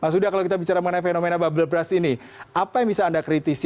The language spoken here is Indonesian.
sudah kalau kita bicara mengenai fenomena bubble brush ini apa yang bisa anda kritisi